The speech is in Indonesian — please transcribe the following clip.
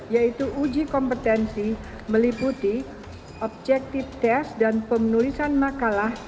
yaitu uji kompetensi meliputi objektif tes dan penulisan makalah